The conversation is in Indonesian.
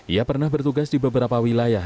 ia pernah bertugas di beberapa wilayah